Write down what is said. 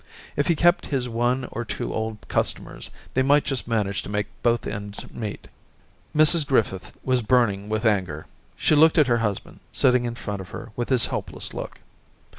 If he kept his one or two old customers, they might just manage to make both end meet. Mrs Griffith was burning with anger: She looked at her husband, sitting in front of her with his helpless look.